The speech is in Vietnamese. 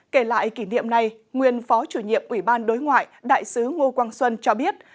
kể lại kỷ niệm này nguyên phó chủ nhiệm ủy ban đối ngoại đại sứ ngô quang xuân cho biết